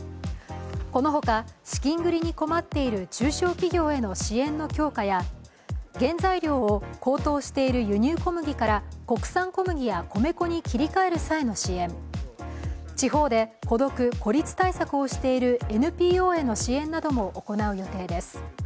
このほか、資金繰りに困っている中小企業への支援の杏花や原材料を高騰している輸入小麦から国産小麦や米粉に切り替える際の支援、地方で孤独・孤立対策をしているＮＰＯへの支援なども行う予定です。